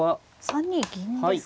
３二銀ですか。